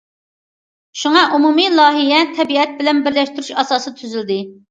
شۇڭا، ئومۇمىي لايىھە تەبىئەت بىلەن بىرلەشتۈرۈش ئاساسىدا تۈزۈلدى.